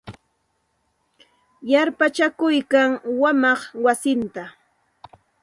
Yarpachakuykan wamaq wasinta.